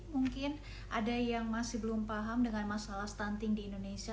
mungkin ada yang masih belum paham dengan masalah stunting di indonesia